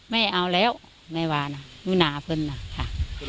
แม่เอาแล้วแม่ว่านะหนุนาเพิ่มน่ะค่ะ